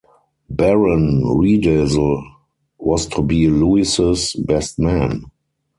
Baron Riedesel was to be Louis's best man.